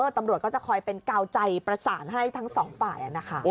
ตำรวจก็จะคอยเป็นกาวใจประสานให้ทั้งสองฝ่ายนะคะ